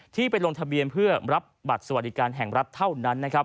ที่ไปลงทะเบียนเพื่อรับบัตรสวัสดิการแห่งรัฐเท่านั้นนะครับ